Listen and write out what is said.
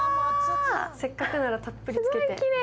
せっかくならたっぷりつけて。